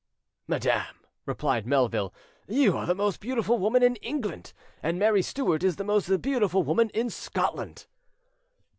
"Madam," replied Melville, "you are the most beautiful woman in England, and Mary Stuart is the most beautiful woman in Scotland."